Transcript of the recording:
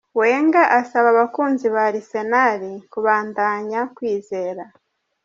Wenger asaba abakunzi ba Arsenal kubandanya kwizera.